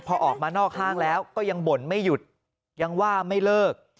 พอออกมานอกห้างแล้วก็ยังบ่นไม่หยุดยังว่าไม่เลิก